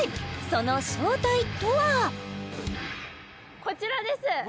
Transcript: その正体とはこちらです！